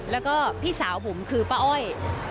แล้วก็พี่สาวผมคือป้าอ้อย